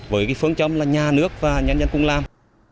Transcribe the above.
với phương chống là nhà nước và nhân dân cũng làm